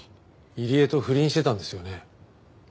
入江と不倫してたんですよね？